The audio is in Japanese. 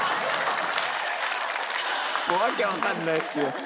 訳わかんないですよ。